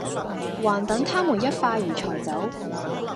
還等她們一塊兒才走